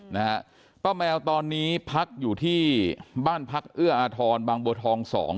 นะฮะป้าแมวตอนนี้พักอยู่ที่บ้านพักเอื้ออาทรบางบัวทองสอง